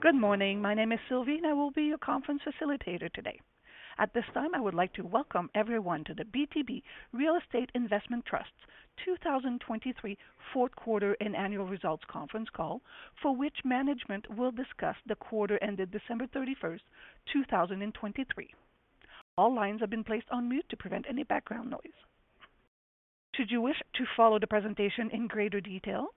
Good morning, my name is Sylvie and I will be your conference facilitator today. At this time I would like to welcome everyone to the BTB Real Estate Investment Trust's 2023 Q4 and annual results conference call, for which management will discuss the quarter ended December 31st, 2023. All lines have been placed on mute to prevent any background noise. Should you wish to follow the presentation in greater detail,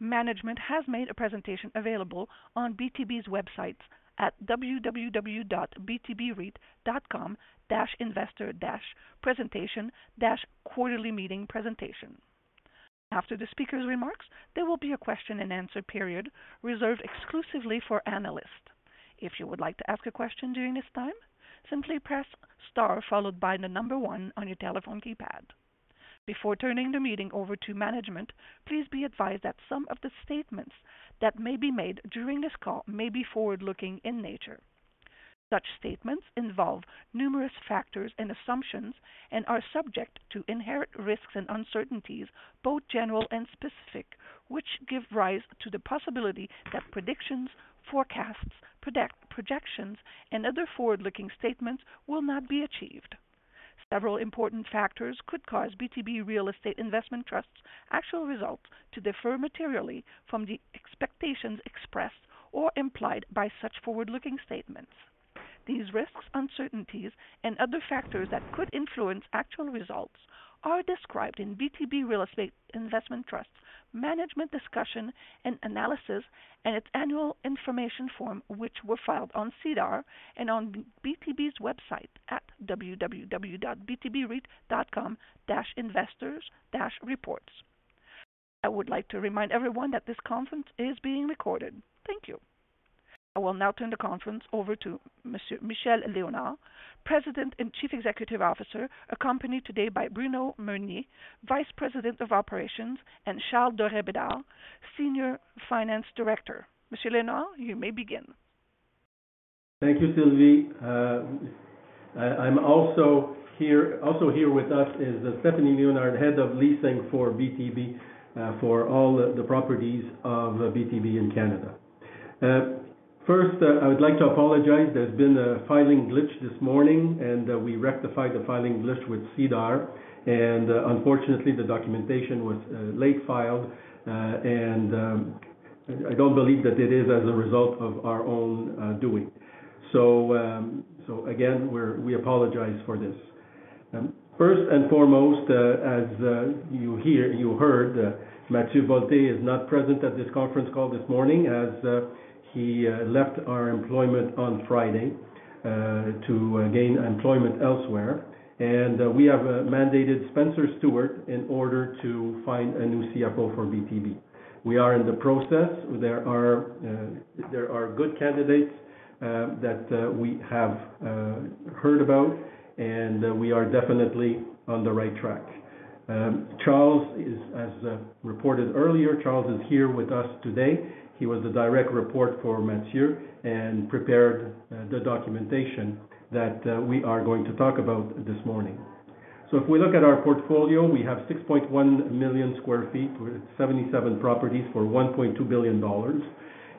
management has made a presentation available on BTB's websites at www.btbreit.com/investor-presentation-quarterly-meetingpresentation. After the speaker's remarks, there will be a question-and-answer period reserved exclusively for analysts. If you would like to ask a question during this time, simply press star followed by the number one on your telephone keypad. Before turning the meeting over to management, please be advised that some of the statements that may be made during this call may be forward-looking in nature. Such statements involve numerous factors and assumptions and are subject to inherent risks and uncertainties, both general and specific, which give rise to the possibility that predictions, forecasts, projections, and other forward-looking statements will not be achieved. Several important factors could cause BTB Real Estate Investment Trust's actual results to differ materially from the expectations expressed or implied by such forward-looking statements. These risks, uncertainties, and other factors that could influence actual results are described in BTB Real Estate Investment Trust's Management Discussion and Analysis and its annual information form, which were filed on SEDAR and on BTB's website at www.btbrit.com/investors-reports. I would like to remind everyone that this conference is being recorded. Thank you. I will now turn the conference over to Monsieur Michel Léonard, President and Chief Executive Officer, accompanied today by Bruno Meunier, Vice President of Operations, and Charles Dorais Bédard, Senior Finance Director. Monsieur Léonard, you may begin. Thank you, Sylvie. I'm also here with us is Stéphanie Léonard, Head of Leasing for BTB, for all the properties of BTB in Canada. First, I would like to apologize. There's been a filing glitch this morning and we rectified the filing glitch with SEDAR, and unfortunately the documentation was late filed and I don't believe that it is as a result of our own doing. Again, we apologize for this. First and foremost, as you heard, Mathieu Bolté is not present at this conference call this morning as he left our employment on Friday to gain employment elsewhere, and we have mandated Spencer Stuart in order to find a new CFO for BTB. We are in the process. There are good candidates that we have heard about and we are definitely on the right track. As reported earlier, Charles is here with us today. He was the direct report for Mathieu and prepared the documentation that we are going to talk about this morning. If we look at our portfolio, we have 6.1 million sq ft with 77 properties for 1.2 billion dollars.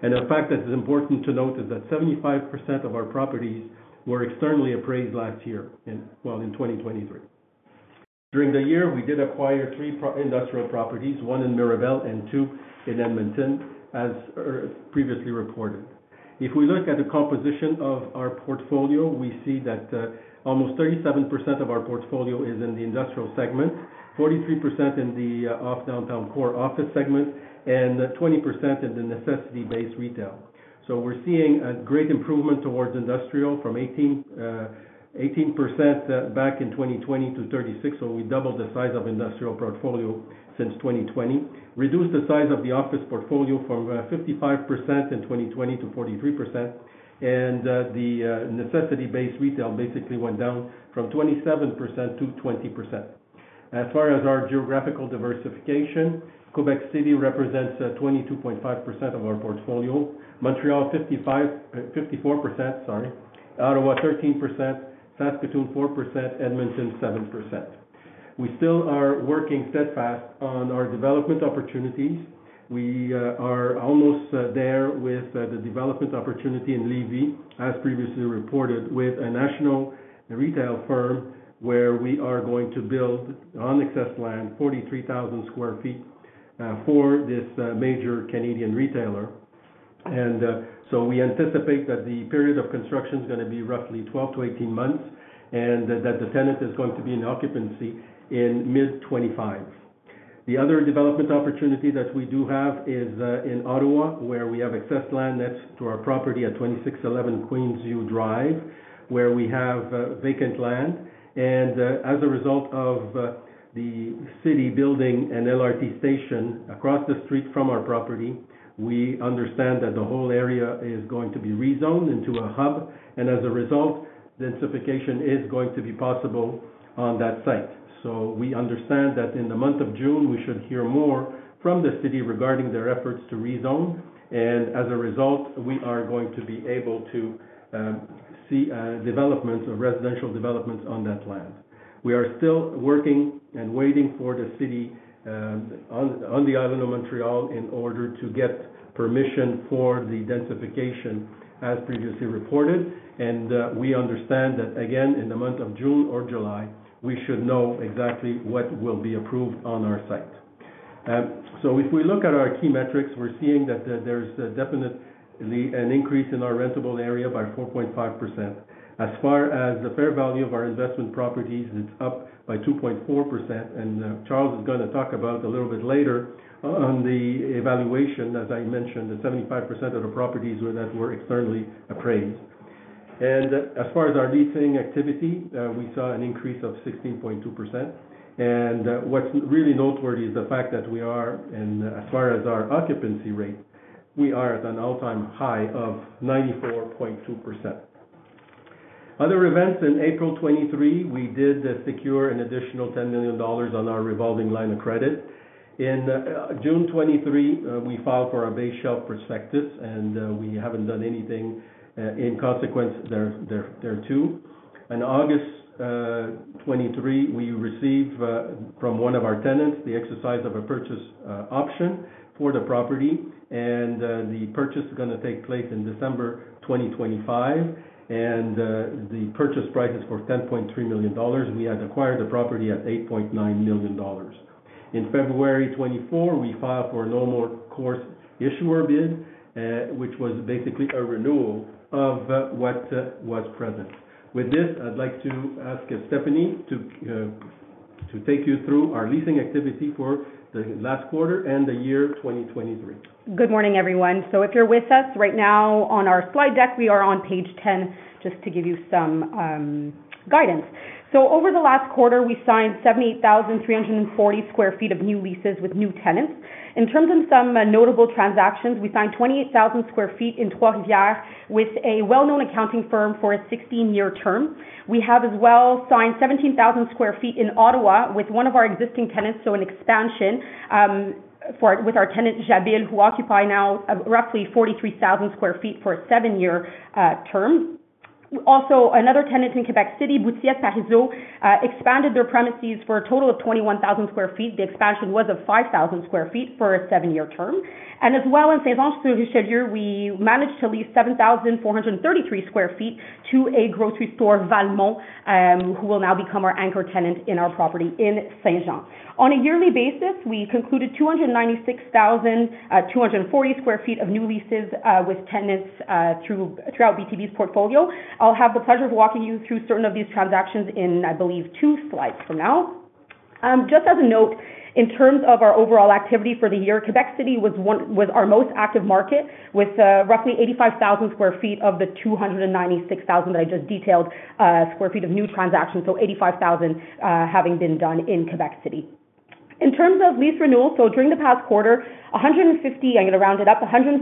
A fact that's important to note is that 75% of our properties were externally appraised last year, well, in 2023. During the year, we did acquire three industrial properties, one in Mirabel and two in Edmonton, as previously reported. If we look at the composition of our portfolio, we see that almost 37% of our portfolio is in the industrial segment, 43% in the off-downtown core office segment, and 20% in the necessity-based retail. So we're seeing a great improvement towards industrial from 18% back in 2020 to 36%, so we doubled the size of industrial portfolio since 2020, reduced the size of the office portfolio from 55% in 2020 to 43%, and the necessity-based retail basically went down from 27% to 20%. As far as our geographical diversification, Quebec City represents 22.5% of our portfolio, Montreal 54%, sorry, Ottawa 13%, Saskatoon 4%, Edmonton 7%. We still are working steadfast on our development opportunities. We are almost there with the development opportunity in Lévis as previously reported with a national retail firm where we are going to build on excess land, 43,000 sq ft, for this major Canadian retailer. And so we anticipate that the period of construction is going to be roughly 12-18 months and that the tenant is going to be in occupancy in mid-2025. The other development opportunity that we do have is in Ottawa where we have excess land next to our property at 2611 Queensview Drive where we have vacant land. As a result of the city building an LRT station across the street from our property, we understand that the whole area is going to be rezoned into a hub, and as a result, densification is going to be possible on that site. We understand that in the month of June we should hear more from the city regarding their efforts to rezone, and as a result, we are going to be able to see developments, residential developments on that land. We are still working and waiting for the city on the island of Montreal in order to get permission for the densification as previously reported, and we understand that again in the month of June or July we should know exactly what will be approved on our site. So if we look at our key metrics, we're seeing that there's definitely an increase in our rentable area by 4.5%. As far as the fair value of our investment properties, it's up by 2.4%, and Charles is going to talk about a little bit later on the evaluation, as I mentioned, the 75% of the properties that were externally appraised. As far as our leasing activity, we saw an increase of 16.2%. What's really noteworthy is the fact that we are, as far as our occupancy rate, we are at an all-time high of 94.2%. Other events, in April 2023, we did secure an additional 10 million dollars on our revolving line of credit. In June 2023, we filed for a base shelf prospectus, and we haven't done anything in consequence thereto. In August 2023, we received from one of our tenants the exercise of a purchase option for the property, and the purchase is going to take place in December 2025. And the purchase price is for 10.3 million dollars. We had acquired the property at 8.9 million dollars. In February 2024, we filed for a normal course issuer bid, which was basically a renewal of what was present. With this, I'd like to ask Stéphanie to take you through our leasing activity for the last quarter and the year 2023. Good morning, everyone. So if you're with us right now on our slide deck, we are on page 10 just to give you some guidance. So over the last quarter, we signed 78,340 sq ft of new leases with new tenants. In terms of some notable transactions, we signed 28,000 sq ft in Trois-Rivières with a well-known accounting firm for a 16-year term. We have as well signed 17,000 sq ft in Ottawa with one of our existing tenants, so an expansion with our tenant Jabil, who occupy now roughly 43,000 sq ft for a 7-year term. Also, another tenant in Quebec City, Bouthillette Parizeau, expanded their premises for a total of 21,000 sq ft. The expansion was of 5,000 sq ft for a 7-year term. And as well in Saint-Jean-sur-Richelieu, we managed to lease 7,433 sq ft to a grocery store, Walmart, who will now become our anchor tenant in our property in Saint-Jean. On a yearly basis, we concluded 296,240 sq ft of new leases with tenants throughout BTB's portfolio. I'll have the pleasure of walking you through certain of these transactions in, I believe, two slides from now. Just as a note, in terms of our overall activity for the year, Quebec City was our most active market with roughly 85,000 sq ft of the 296,000 that I just detailed square feet of new transactions, so 85,000 having been done in Quebec City. In terms of lease renewal, so during the past quarter, 150, I'm going to round it up, 159,000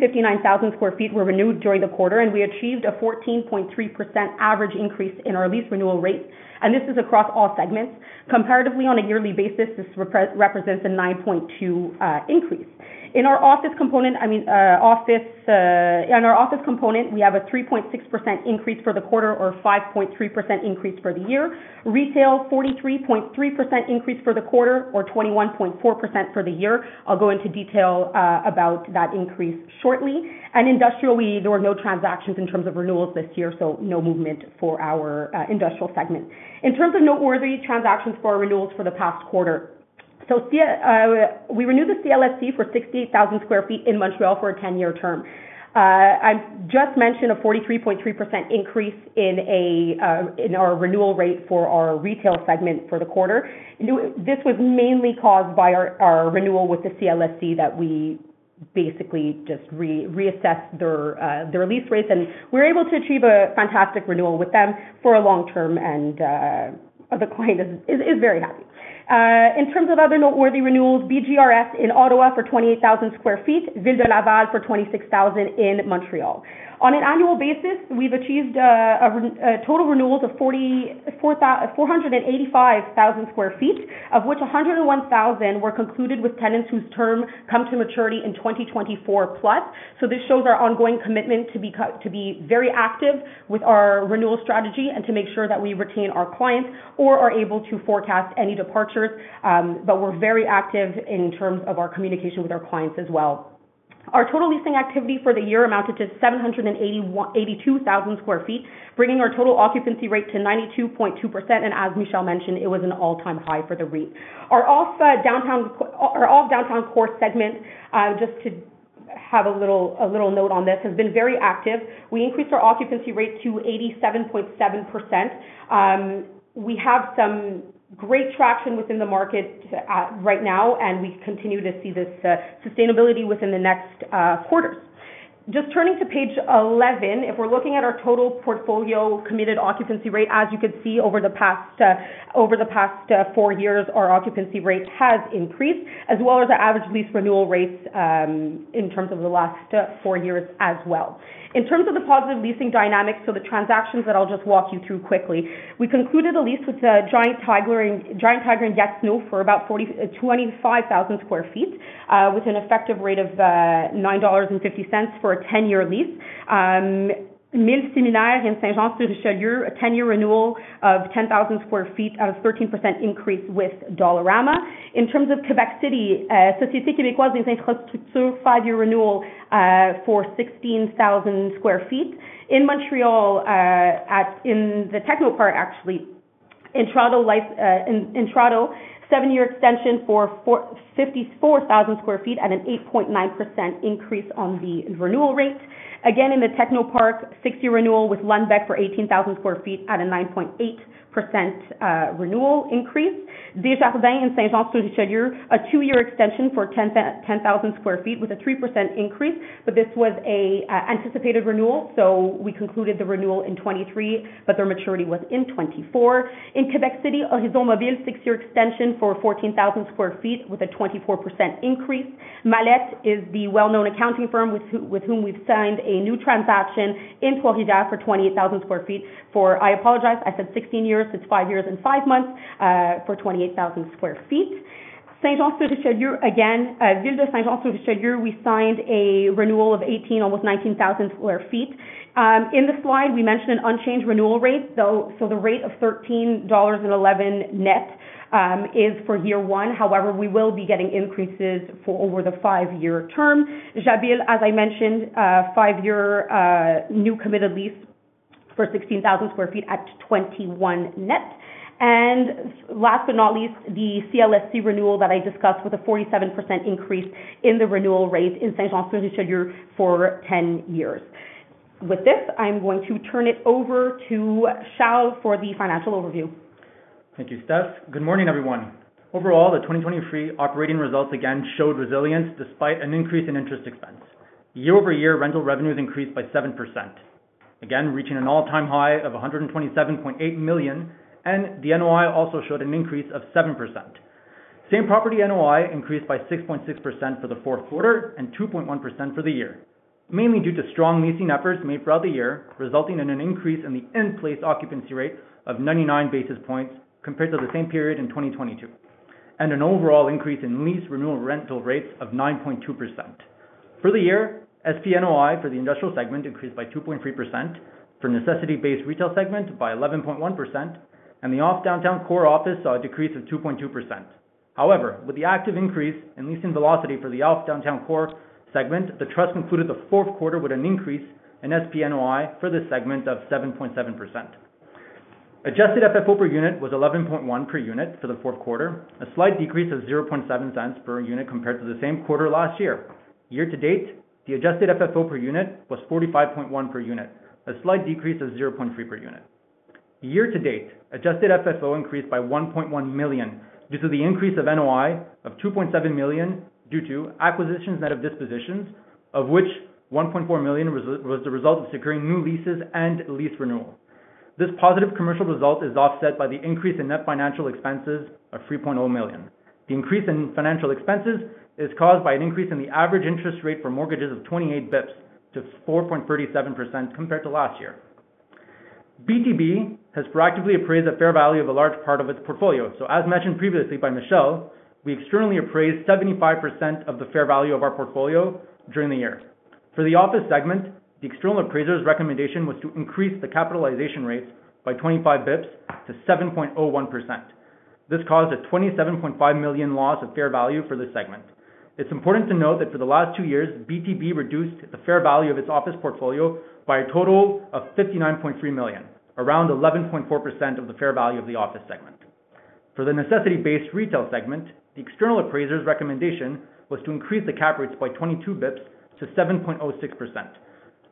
sq ft were renewed during the quarter, and we achieved a 14.3% average increase in our lease renewal rate. This is across all segments. Comparatively, on a yearly basis, this represents a 9.2% increase. In our office component, I mean, office in our office component, we have a 3.6% increase for the quarter or 5.3% increase for the year. Retail, 43.3% increase for the quarter or 21.4% for the year. I'll go into detail about that increase shortly. Industrial, there were no transactions in terms of renewals this year, so no movement for our industrial segment. In terms of noteworthy transactions for our renewals for the past quarter, so we renewed the CLSC for 68,000 sq ft in Montreal for a 10-year term. I just mentioned a 43.3% increase in our renewal rate for our retail segment for the quarter. This was mainly caused by our renewal with the CLSC that we basically just reassessed their lease rates, and we were able to achieve a fantastic renewal with them for a long term, and the client is very happy. In terms of other noteworthy renewals, BGRS in Ottawa for 28,000 sq ft, Ville de Laval for 26,000 in Montreal. On an annual basis, we've achieved a total renewals of 485,000 sq ft, of which 101,000 were concluded with tenants whose term come to maturity in 2024-plus. So this shows our ongoing commitment to be very active with our renewal strategy and to make sure that we retain our clients or are able to forecast any departures, but we're very active in terms of our communication with our clients as well. Our total leasing activity for the year amounted to 782,000 sq ft, bringing our total occupancy rate to 92.2%, and as Michel mentioned, it was an all-time high for the REIT. Our off-downtown core segment, just to have a little note on this, has been very active. We increased our occupancy rate to 87.7%. We have some great traction within the market right now, and we continue to see this sustainability within the next quarters. Just turning to page 11, if we're looking at our total portfolio committed occupancy rate, as you could see over the past four years, our occupancy rate has increased, as well as the average lease renewal rates in terms of the last four years as well. In terms of the positive leasing dynamics, so the transactions that I'll just walk you through quickly, we concluded a lease with Giant Tiger and [Yet Snow] for about 25,000 sq ft with an effective rate of 9.50 dollars for a 10-year lease. Mille Séminaires in Saint-Jean-sur-Richelieu, a 10-year renewal of 10,000 sq ft at a 13% increase with Dollarama. In terms of Quebec City, Société québécoise des infrastructures, five year renewal for 16,000 sq ft. In Montreal, in the Technoparc, actually, Intrado seven year extension for 54,000 sq ft at an 8.9% increase on the renewal rate. Again, in the Technoparc, six year renewal with Lundbeck for 18,000 sq ft at a 9.8% renewal increase. Desjardins in Saint-Jean-sur-Richelieu, a two year extension for 10,000 sq ft with a 3% increase, but this was an anticipated renewal, so we concluded the renewal in 2023, but their maturity was in 2024. In Quebec City, Orizon Mobile, 6-year extension for 14,000 sq ft with a 24% increase. Mallette is the well-known accounting firm with whom we've signed a new transaction in Trois-Rivières for 28,000 sq ft for I apologize, I said 16 years. It's five years and five months for 28,000 sq ft. Saint-Jean-sur-Richelieu, again, Ville de Saint-Jean-sur-Richelieu, we signed a renewal of almost 19,000 sq ft. In the slide, we mentioned an unchanged renewal rate, so the rate of 13.11 dollars net is for year one. However, we will be getting increases for over the five year term. Jabil, as I mentioned, five year new committed lease for 16,000 sq ft at 21 net. And last but not least, the CLSC renewal that I discussed with a 47% increase in the renewal rate in Saint-Jean-sur-Richelieu for 10 years. With this, I'm going to turn it over to Charles for the financial overview. Thank you, Steph. Good morning, everyone. Overall, the 2023 operating results again showed resilience despite an increase in interest expense. Year-over-year, rental revenues increased by 7%, again reaching an all-time high of 127.8 million, and the NOI also showed an increase of 7%. Same property NOI increased by 6.6% for the Q4 and 2.1% for the year, mainly due to strong leasing efforts made throughout the year, resulting in an increase in the in-place occupancy rate of 99 basis points compared to the same period in 2022, and an overall increase in lease renewal rental rates of 9.2%. For the year, SP NOI for the industrial segment increased by 2.3%, for necessity-based retail segment by 11.1%, and the off-downtown core office saw a decrease of 2.2%. However, with the active increase in leasing velocity for the off-downtown core segment, the trust concluded the Q4 with an increase in SP NOI for this segment of 7.7%. Adjusted FFO per unit was 0.111 per unit for the Q4, a slight decrease of 0.007 per unit compared to the same quarter last year. Year to date, the adjusted FFO per unit was 0.451 per unit, a slight decrease of 0.3 per unit. Year to date, adjusted FFO increased by 1.1 million due to the increase of NOI of 2.7 million due to acquisitions net of dispositions, of which 1.4 million was the result of securing new leases and lease renewal. This positive commercial result is offset by the increase in net financial expenses of 3.0 million. The increase in financial expenses is caused by an increase in the average interest rate for mortgages of 28 basis points to 4.37% compared to last year. BTB has proactively appraised a fair value of a large part of its portfolio. So as mentioned previously by Michel, we externally appraised 75% of the fair value of our portfolio during the year. For the office segment, the external appraiser's recommendation was to increase the capitalization rates by 25 basis points to 7.01%. This caused a 27.5 million loss of fair value for this segment. It's important to note that for the last two years, BTB reduced the fair value of its office portfolio by a total of 59.3 million, around 11.4% of the fair value of the office segment. For the necessity-based retail segment, the external appraiser's recommendation was to increase the cap rates by 22 basis points to 7.06%,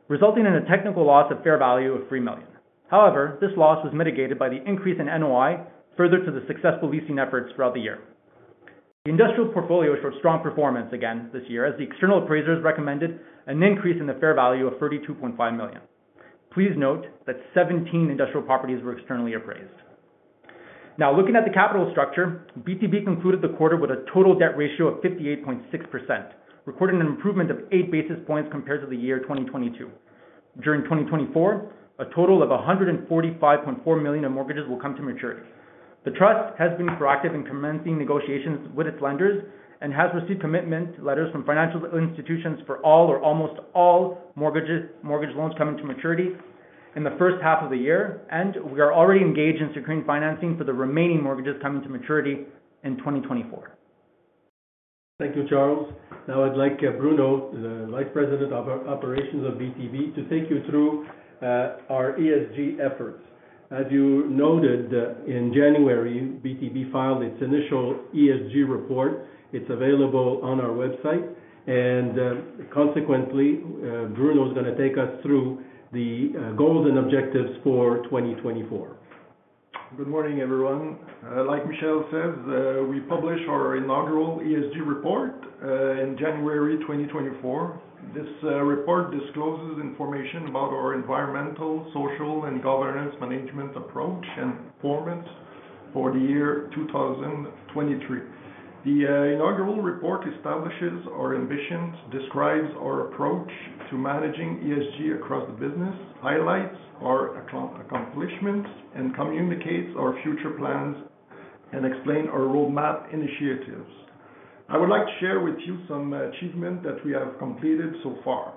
resulting in a technical loss of fair value of 3 million. However, this loss was mitigated by the increase in NOI further to the successful leasing efforts throughout the year. The industrial portfolio showed strong performance again this year as the external appraiser's recommended an increase in the fair value of 32.5 million. Please note that 17 industrial properties were externally appraised. Now, looking at the capital structure, BTB concluded the quarter with a total debt ratio of 58.6%, recording an improvement of 8 basis points compared to the year 2022. During 2024, a total of 145.4 million in mortgages will come to maturity. The trust has been proactive in commencing negotiations with its lenders and has received commitment letters from financial institutions for all or almost all mortgage loans coming to maturity in the first half of the year, and we are already engaged in securing financing for the remaining mortgages coming to maturity in 2024. Thank you, Charles. Now, I'd like Bruno, the Vice President of Operations of BTB, to take you through our ESG efforts. As you noted, in January, BTB filed its initial ESG report. It's available on our website. Consequently, Bruno is going to take us through the goals and objectives for 2024. Good morning, everyone. Like Michel says, we publish our inaugural ESG report in January 2024. This report discloses information about our environmental, social, and governance management approach and performance for the year 2023. The inaugural report establishes our ambitions, describes our approach to managing ESG across the business, highlights our accomplishments, and communicates our future plans and explains our roadmap initiatives. I would like to share with you some achievements that we have completed so far.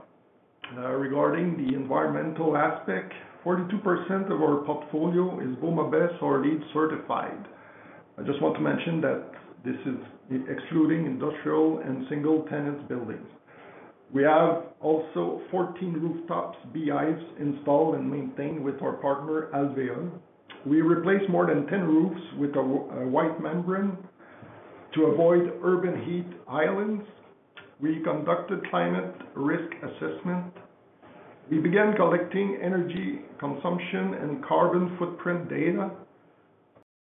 Regarding the environmental aspect, 42% of our portfolio is BOMA BEST or LEED certified. I just want to mention that this is excluding industrial and single-tenant buildings. We have also 14 rooftops BIs installed and maintained with our partner, Alvéole. We replaced more than 10 roofs with a white membrane to avoid urban heat islands. We conducted climate risk assessment. We began collecting energy consumption and carbon footprint data.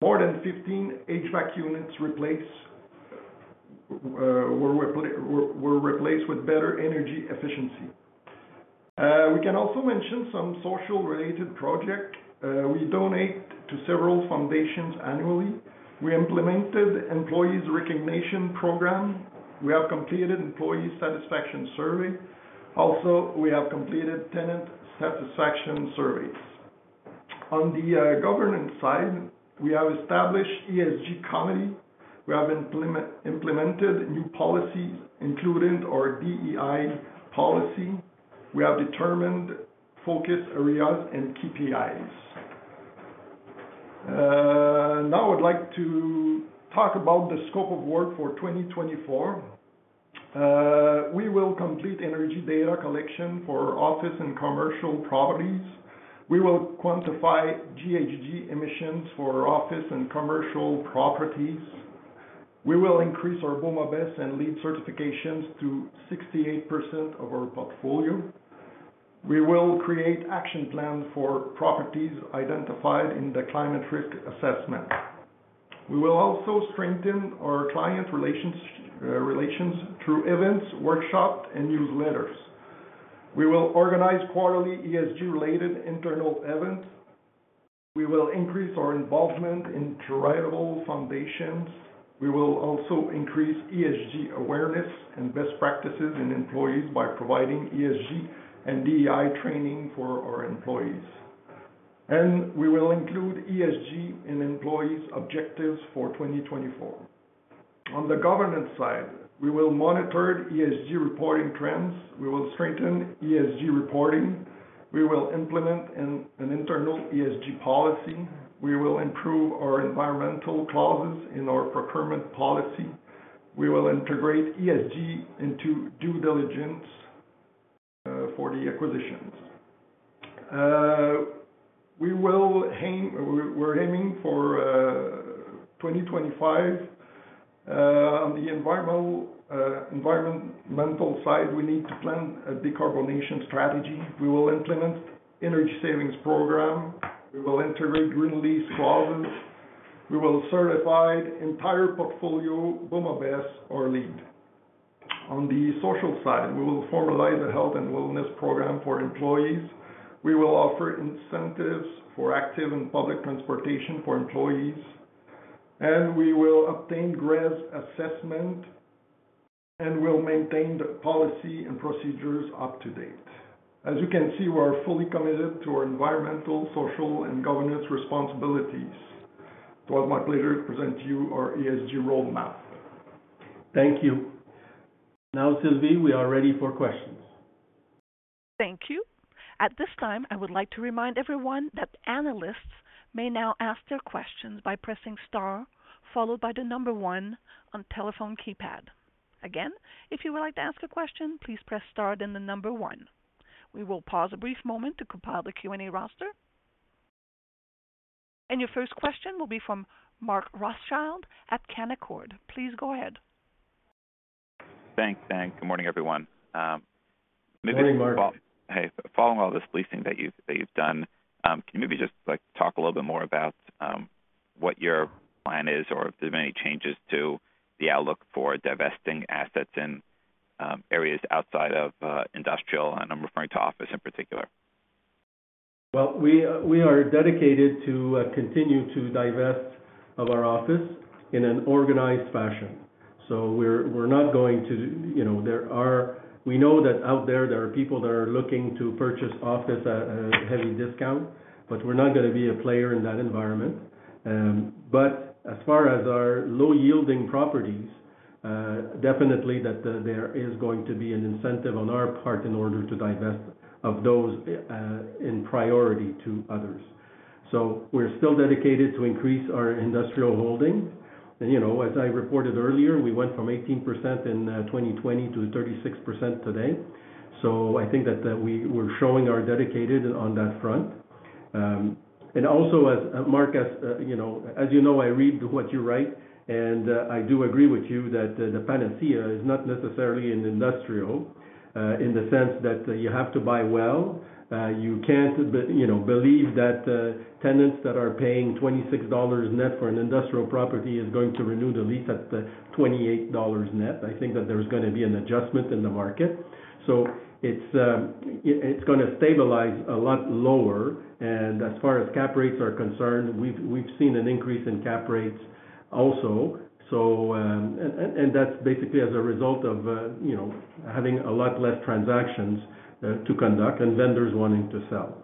More than 15 HVAC units were replaced with better energy efficiency. We can also mention some social-related projects. We donate to several foundations annually. We implemented an employee's recognition program. We have completed an employee satisfaction survey. Also, we have completed tenant satisfaction surveys. On the governance side, we have established ESG committee. We have implemented new policies, including our DEI policy. We have determined focus areas and KPIs. Now, I would like to talk about the scope of work for 2024. We will complete energy data collection for office and commercial properties. We will quantify GHG emissions for office and commercial properties. We will increase our BOMA BEST and LEED certifications to 68% of our portfolio. We will create action plans for properties identified in the climate risk assessment. We will also strengthen our client relations through events, workshops, and newsletters. We will organize quarterly ESG-related internal events. We will increase our involvement in charitable foundations. We will also increase ESG awareness and best practices in employees by providing ESG and DEI training for our employees. We will include ESG in employees' objectives for 2024. On the governance side, we will monitor ESG reporting trends. We will strengthen ESG reporting. We will implement an internal ESG policy. We will improve our environmental clauses in our procurement policy. We will integrate ESG into due diligence for the acquisitions. We're aiming for 2025. On the environmental side, we need to plan a decarbonization strategy. We will implement an energy savings program. We will integrate green lease clauses. We will certify the entire portfolio BOMA BEST or LEED. On the social side, we will formalize a health and wellness program for employees. We will offer incentives for active and public transportation for employees. We will obtain GRESB assessment and will maintain the policy and procedures up to date. As you can see, we are fully committed to our environmental, social, and governance responsibilities. It was my pleasure to present to you our ESG roadmap. Thank you. Now, Sylvie, we are ready for questions. Thank you. At this time, I would like to remind everyone that analysts may now ask their questions by pressing star followed by the number one on the telephone keypad. Again, if you would like to ask a question, please press star then the number one. We will pause a brief moment to compile the Q&A roster. Your first question will be from Mark Rothschild at Canaccord. Please go ahead. Thanks, thanks. Good morning, everyone. Good morning, Mark. Hey, following all this leasing that you've done, can you maybe just talk a little bit more about what your plan is or if there's been any changes to the outlook for divesting assets in areas outside of industrial, and I'm referring to office in particular? Well, we are dedicated to continue to divest of our office in an organized fashion. So we're not going to. We know that out there, there are people that are looking to purchase office at a heavy discount, but we're not going to be a player in that environment. But as far as our low-yielding properties, definitely that there is going to be an incentive on our part in order to divest of those in priority to others. So we're still dedicated to increase our industrial holdings. And as I reported earlier, we went from 18% in 2020 to 36% today. So I think that we're showing our dedicated on that front. And also, Mark, as you know, I read what you write, and I do agree with you that the panacea is not necessarily in industrial in the sense that you have to buy well. You can't believe that tenants that are paying 26 dollars net for an industrial property is going to renew the lease at 28 dollars net. I think that there's going to be an adjustment in the market. So it's going to stabilize a lot lower. And as far as cap rates are concerned, we've seen an increase in cap rates also. And that's basically as a result of having a lot less transactions to conduct and vendors wanting to sell.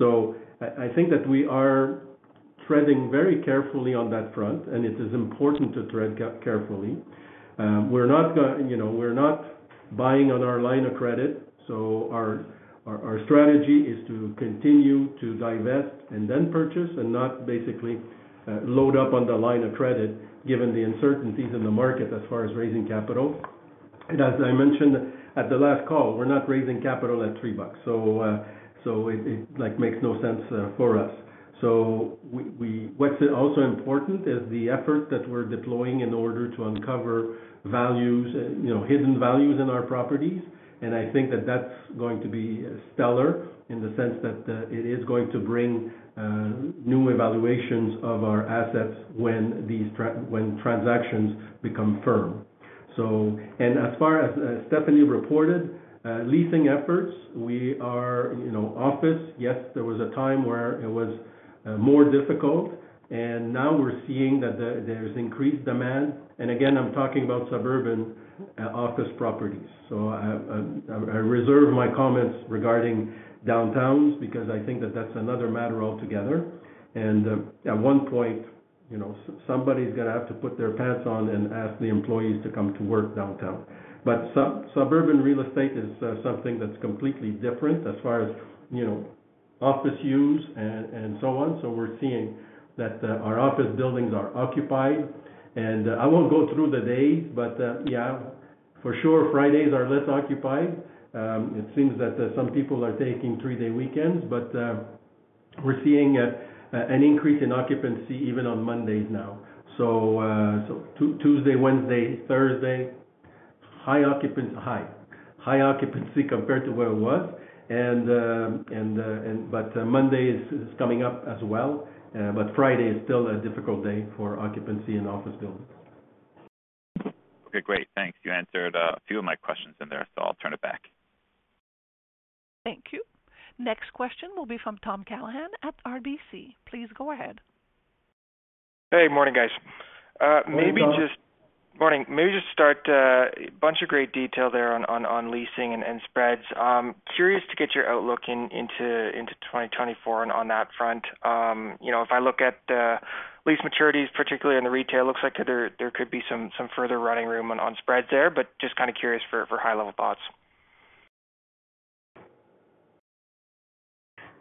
So I think that we are treading very carefully on that front, and it is important to tread carefully. We're not buying on our line of credit. So our strategy is to continue to divest and then purchase and not basically load up on the line of credit given the uncertainties in the market as far as raising capital. As I mentioned at the last call, we're not raising capital at 3 bucks, so it makes no sense for us. So what's also important is the effort that we're deploying in order to uncover hidden values in our properties. And I think that that's going to be stellar in the sense that it is going to bring new evaluations of our assets when transactions become firm. And as far as Stéphanie reported, leasing efforts, we are office, yes, there was a time where it was more difficult. And now we're seeing that there's increased demand. And again, I'm talking about suburban office properties. So I reserve my comments regarding downtowns because I think that that's another matter altogether. And at one point, somebody's going to have to put their pants on and ask the employees to come to work downtown. But suburban real estate is something that's completely different as far as office use and so on. So we're seeing that our office buildings are occupied. And I won't go through the days, but yeah, for sure, Fridays are less occupied. It seems that some people are taking three-day weekends, but we're seeing an increase in occupancy even on Mondays now. So Tuesday, Wednesday, Thursday, high occupancy compared to where it was. But Monday is coming up as well. But Friday is still a difficult day for occupancy in office buildings. Okay, great. Thanks. You answered a few of my questions in there, so I'll turn it back. Thank you. Next question will be from Tom Callaghan at RBC. Please go ahead. Hey, morning, guys. Hey Tom. Morning. Maybe just start a bunch of great detail there on leasing and spreads. Curious to get your outlook into 2024 on that front. If I look at lease maturities, particularly in the retail, it looks like there could be some further running room on spreads there, but just kind of curious for high-level thoughts.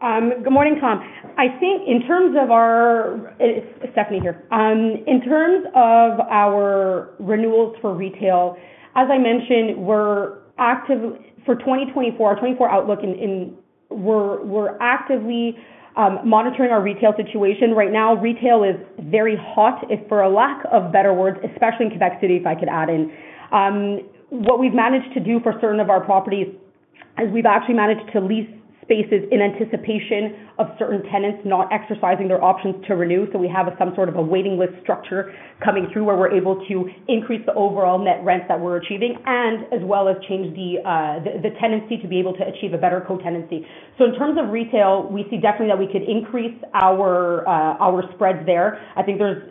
Good morning, Tom. I think in terms of our... It's Stéphanie here. In terms of our renewals for retail, as I mentioned, for 2024, our 2024 outlook, we're actively monitoring our retail situation. Right now, retail is very hot, for a lack of better words, especially in Quebec City, if I could add in. What we've managed to do for certain of our properties is we've actually managed to lease spaces in anticipation of certain tenants not exercising their options to renew. So we have some sort of a waiting list structure coming through where we're able to increase the overall net rents that we're achieving, and as well as change the tenancy to be able to achieve a better co-tenancy. So in terms of retail, we see definitely that we could increase our spreads there. I think there's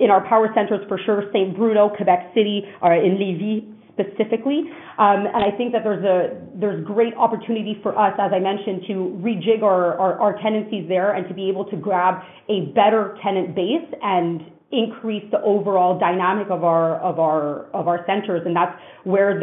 in our power centers, for sure, St. Bruno, Quebec City, or in Lévis specifically. I think that there's great opportunity for us, as I mentioned, to rejig our tenancies there and to be able to grab a better tenant base and increase the overall dynamic of our centers. That's where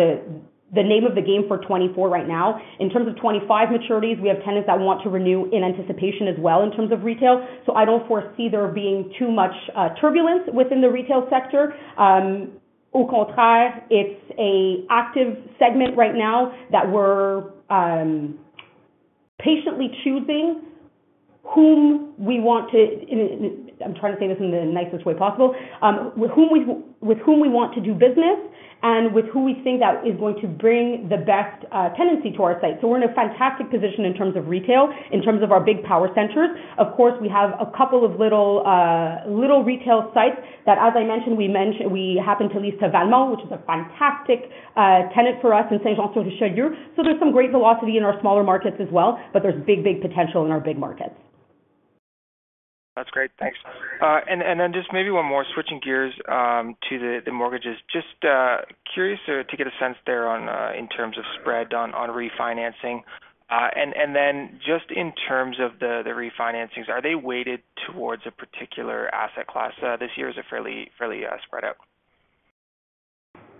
the name of the game for 2024 right now. In terms of 2025 maturities, we have tenants that want to renew in anticipation as well in terms of retail. I don't foresee there being too much turbulence within the retail sector. Au contraire, it's an active segment right now that we're patiently choosing whom we want to—I'm trying to say this in the nicest way possible—with whom we want to do business and with who we think that is going to bring the best tenancy to our site. So we're in a fantastic position in terms of retail, in terms of our big power centers. Of course, we have a couple of little retail sites that, as I mentioned, we happen to lease to Walmart, which is a fantastic tenant for us, and Saint-Jean-sur-Richelieu. So there's some great velocity in our smaller markets as well, but there's big, big potential in our big markets. That's great. Thanks. And then just maybe one more, switching gears to the mortgages. Just curious to get a sense there in terms of spread on refinancing. And then just in terms of the refinancings, are they weighted towards a particular asset class? This year is a fairly spread out.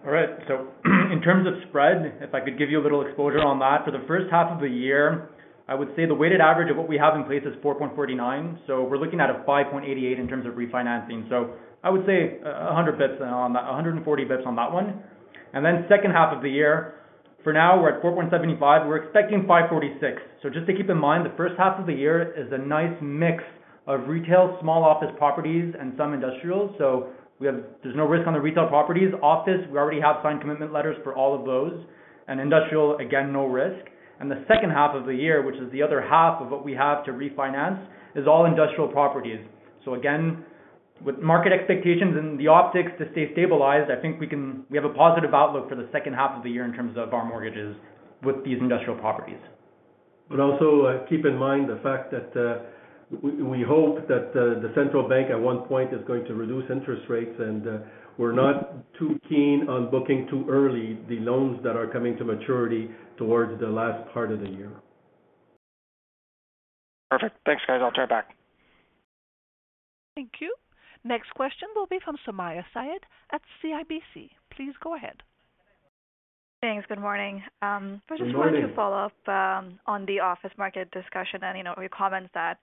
All right. So in terms of spread, if I could give you a little exposure on that, for the first half of the year, I would say the weighted average of what we have in place is 4.49. So we're looking at a 5.88 in terms of refinancing. So I would say 100 basis points on that, 140 basis points on that one. And then H2 of the year, for now, we're at 4.75. We're expecting 5.46. So just to keep in mind, the H1 of the year is a nice mix of retail, small office properties, and some industrial. There's no risk on the retail properties. Office, we already have signed commitment letters for all of those. Industrial, again, no risk. The H2 of the year, which is the other half of what we have to refinance, is all industrial properties. Again, with market expectations and the optics to stay stabilized, I think we have a positive outlook for the H2 of the year in terms of our mortgages with these industrial properties. Also keep in mind the fact that we hope that the central bank at one point is going to reduce interest rates, and we're not too keen on booking too early the loans that are coming to maturity towards the last part of the year. Perfect. Thanks, guys. I'll turn it back. Thank you. Next question will be from Sumayya Syed at CIBC. Please go ahead. Thanks. Good morning. Good morning. I just wanted to follow up on the office market discussion and your comments that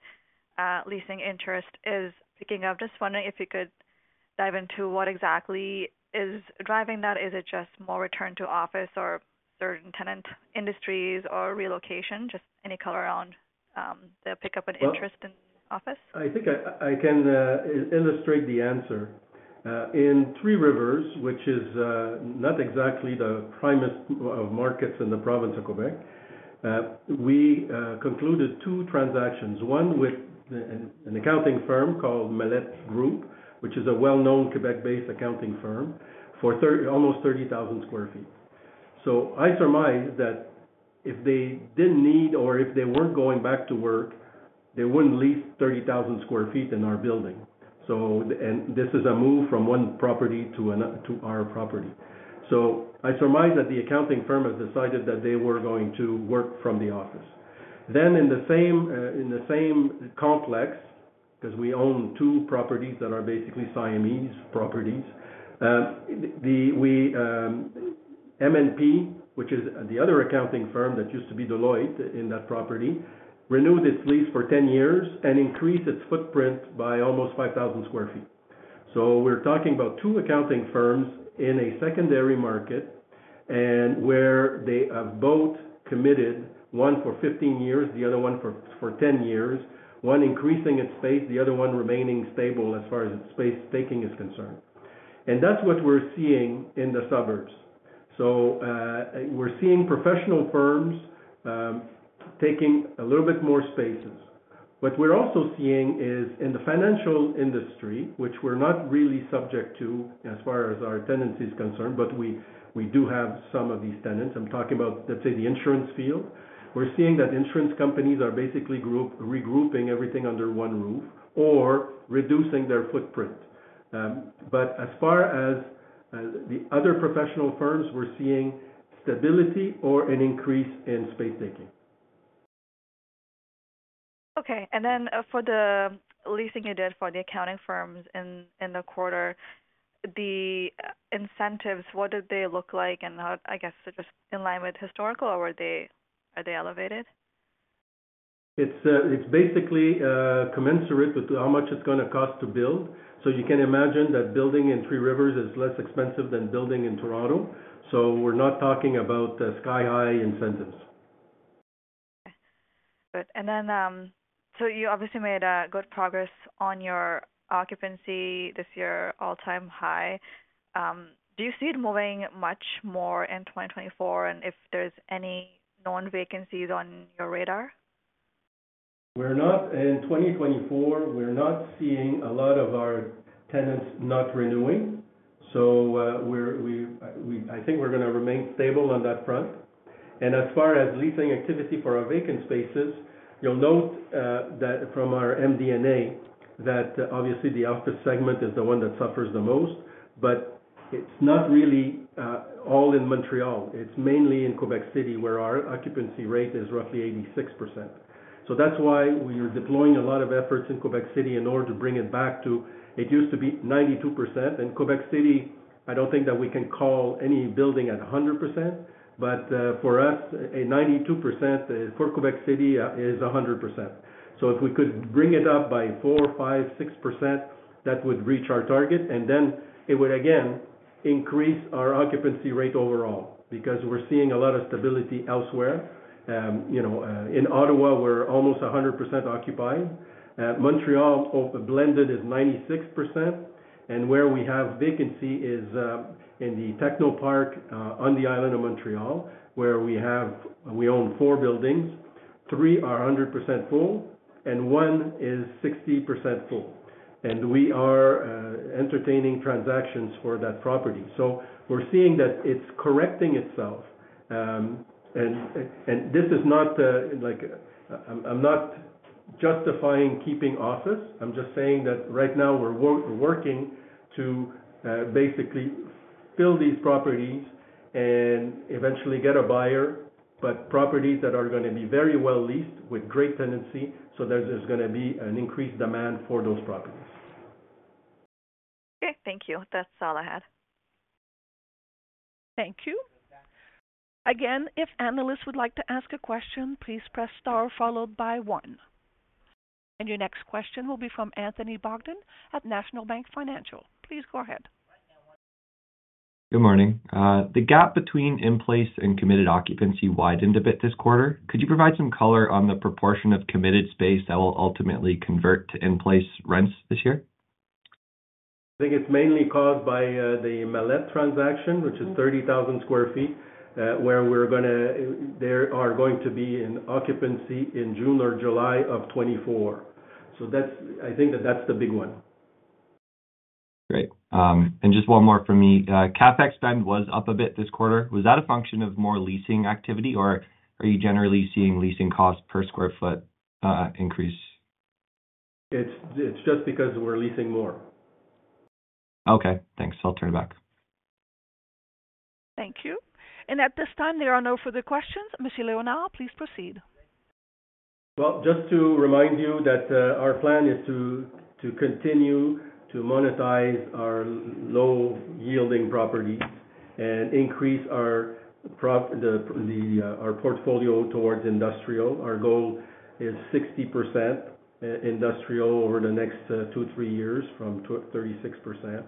leasing interest is picking up. Just wondering if you could dive into what exactly is driving that. Is it just more return to office or certain tenant industries or relocation, just any color around the pickup and interest in office? I think I can illustrate the answer. In Trois-Rivières, which is not exactly the primest of markets in the province of Quebec, we concluded two transactions, one with an accounting firm called Mallette Group, which is a well-known Quebec-based accounting firm, for almost 30,000 sq ft. So I surmise that if they didn't need or if they weren't going back to work, they wouldn't lease 30,000 sq ft in our building. And this is a move from one property to our property. So I surmise that the accounting firm has decided that they were going to work from the office. Then in the same complex, because we own two properties that are basically Siamese properties, MNP, which is the other accounting firm that used to be Deloitte in that property, renewed its lease for 10 years and increased its footprint by almost 5,000 sq ft. We're talking about two accounting firms in a secondary market where they have both committed, one for 15 years, the other one for 10 years, one increasing its space, the other one remaining stable as far as its space taking is concerned. That's what we're seeing in the suburbs. We're seeing professional firms taking a little bit more spaces. What we're also seeing is in the financial industry, which we're not really subject to as far as our tenancy is concerned, but we do have some of these tenants. I'm talking about, let's say, the insurance field. We're seeing that insurance companies are basically regrouping everything under one roof or reducing their footprint. As far as the other professional firms, we're seeing stability or an increase in space taking. Okay. And then for the leasing you did for the accounting firms in the quarter, the incentives, what did they look like? And I guess, just in line with historical, are they elevated? It's basically commensurate with how much it's going to cost to build. So you can imagine that building in Trois-Rivières is less expensive than building in Toronto. So we're not talking about sky-high incentives. Okay. Good. You obviously made good progress on your occupancy. This year, all-time high. Do you see it moving much more in 2024 and if there's any known vacancies on your radar? We're not. In 2024, we're not seeing a lot of our tenants not renewing. So I think we're going to remain stable on that front. As far as leasing activity for our vacant spaces, you'll note from our MD&A that obviously, the office segment is the one that suffers the most. But it's not really all in Montreal. It's mainly in Quebec City where our occupancy rate is roughly 86%. So that's why we are deploying a lot of efforts in Quebec City in order to bring it back to it used to be 92%. And Quebec City, I don't think that we can call any building at 100%. But for us, 92% for Quebec City is 100%. So if we could bring it up by 4%, 5%, 6%, that would reach our target. Then it would, again, increase our occupancy rate overall because we're seeing a lot of stability elsewhere. In Ottawa, we're almost 100% occupied. Montreal blended is 96%. And where we have vacancy is in the Techno Park on the island of Montreal where we own four buildings. Three are 100% full, and one is 60% full. And we are entertaining transactions for that property. So we're seeing that it's correcting itself. And this is not. I'm not justifying keeping office. I'm just saying that right now, we're working to basically fill these properties and eventually get a buyer, but properties that are going to be very well leased with great tenancy. So there's going to be an increased demand for those properties. Okay. Thank you. That's all I had. Thank you. Again, if analysts would like to ask a question, please press star followed by one. Your next question will be from Anthony Bogdan at National Bank Financial. Please go ahead. Good morning. The gap between in-place and committed occupancy widened a bit this quarter. Could you provide some color on the proportion of committed space that will ultimately convert to in-place rents this year? I think it's mainly caused by the Mallette transaction, which is 30,000 sq ft, where there are going to be an occupancy in June or July of 2024. So I think that that's the big one. Great. Just one more from me. CapEx spend was up a bit this quarter. Was that a function of more leasing activity, or are you generally seeing leasing cost per sq ft increase? It's just because we're leasing more. Okay. Thanks. I'll turn it back. Thank you. At this time, there are no further questions. Monsieur Léonard, please proceed. Well, just to remind you that our plan is to continue to monetize our low-yielding properties and increase our portfolio towards industrial. Our goal is 60% industrial over the next two, three years, from 36%.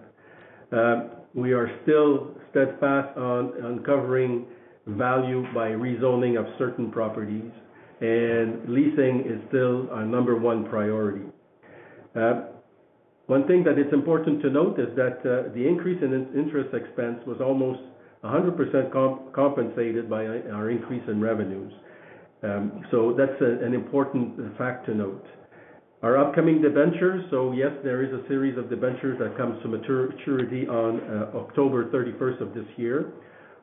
We are still steadfast on covering value by rezoning of certain properties, and leasing is still our number one priority. One thing that it's important to note is that the increase in interest expense was almost 100% compensated by our increase in revenues. So that's an important fact to note. Our upcoming debentures, so yes, there is a series of debentures that comes to maturity on October 31st of this year.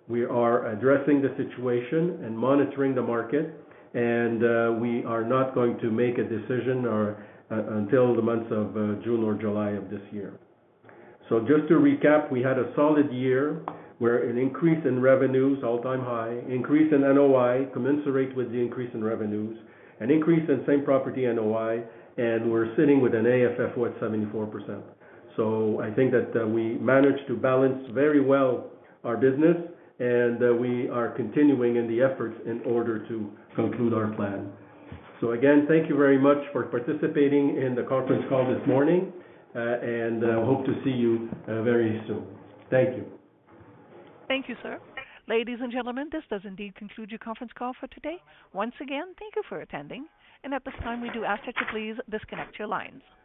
We are addressing the situation and monitoring the market, and we are not going to make a decision until the months of June or July of this year. So just to recap, we had a solid year where an increase in revenues, all-time high, increase in NOI commensurate with the increase in revenues, an increase in same-property NOI, and we're sitting with an AFFO, what, 74%. So I think that we managed to balance very well our business, and we are continuing in the efforts in order to conclude our plan. So again, thank you very much for participating in the conference call this morning, and I hope to see you very soon. Thank you. Thank you, sir. Ladies and gentlemen, this does indeed conclude your conference call for today. Once again, thank you for attending. At this time, we do ask that you please disconnect your lines.